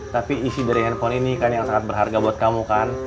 tapi isi dari handphone ini kan yang sangat berharga buat kamu kan